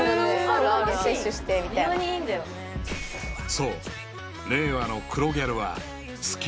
［そう］